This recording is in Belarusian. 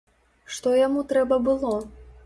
Што яму трэба было?